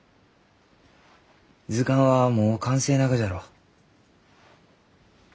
図鑑はもう完成ながじゃろう？